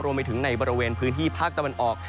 รวมไปถึงในบริเวณพื้นที่ภาคตะวันออก